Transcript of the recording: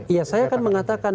ya saya kan mengatakan